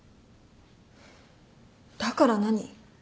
だから何？